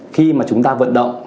khi mà chúng ta vận động